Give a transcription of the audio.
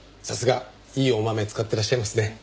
さすがいいお豆使ってらっしゃいますね。